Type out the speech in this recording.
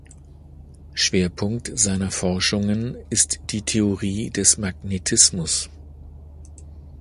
Schwerpunkt seiner Forschungen ist die Theorie des Magnetismus.